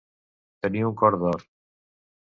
Tenir un cor d'or.